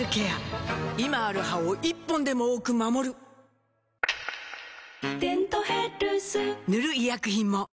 今ある歯を１本でも多く守る「デントヘルス」塗る医薬品も